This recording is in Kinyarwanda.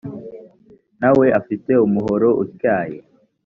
na we afite umuhoro utyaye